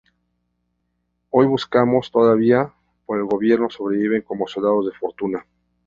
Hoy, buscados todavía por el gobierno, sobreviven como soldados de fortuna.